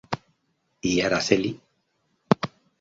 Y Araceli.